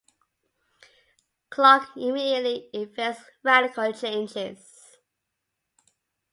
Clark immediately effects radical changes.